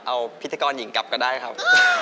เอาพิธีกรหญิงกลับก็ได้ครับ